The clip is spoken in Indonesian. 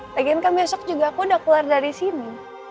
lagian kan besok juga aku udah keluar dari sini